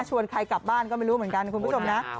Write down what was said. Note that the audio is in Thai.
ใครกลับบ้านก็ไม่รู้เหมือนกันคุณผู้ชมนะ